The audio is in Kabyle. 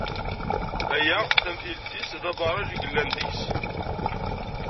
Aya, tamentilt-is d abaraj i yellan deg-s.